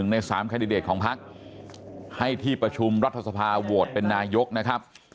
ใน๓แคนดิเดตของพักให้ที่ประชุมรัฐสภาโหวตเป็นนายกนะครับ